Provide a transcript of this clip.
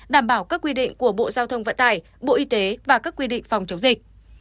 đảm bảo các quy định của bộ giao thông vận tải bộ y tế và các quy định phòng chống dịch